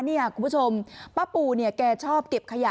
เนี้ยคุณผู้ชมป้าปูเนี้ยแกชอบกลิ่บขยะ